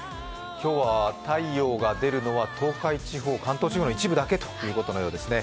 今日は太陽が出るのは東海地方、関東地方の一部だけということのようですね。